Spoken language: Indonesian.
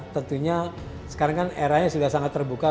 tentunya sekarang kan eranya sudah sangat terbuka